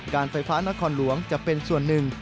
การไฟฟ้านครหลวงจะเป็นส่วนหนึ่ง